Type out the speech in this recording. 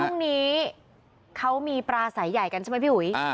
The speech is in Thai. พรุ่งนี้เขามีปลาสายใหญ่กันใช่ไหมพี่อุ๋ย